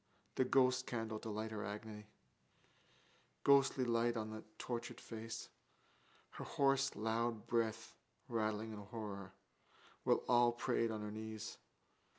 The ghostcandle to light her agony. Ghostly light on the tortured face. Her hoarse loud breath rattling in horror, while all prayed on their knees.